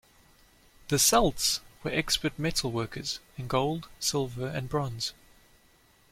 The Celts were expert metalworkers, in gold, silver and bronze.